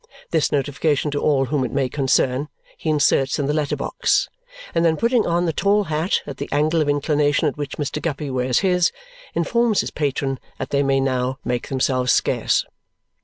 This notification to all whom it may concern, he inserts in the letter box, and then putting on the tall hat at the angle of inclination at which Mr. Guppy wears his, informs his patron that they may now make themselves scarce.